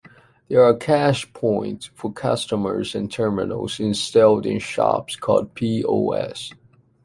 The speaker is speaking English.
There are cashpoints(ATMs) for customers and terminals installed in shops called POS.